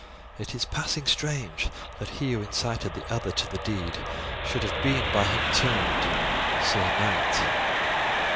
It is passing strange that he who incited the other to the deed should have been by him termed 'Sir Knight'.